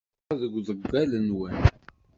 Ṣṣeḥa deg uḍeggal-nwen.